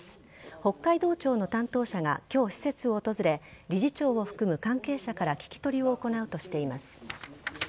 北海道庁の担当者がきょう施設を訪れ、理事長を含む関係者から聞き取りを行うとしています。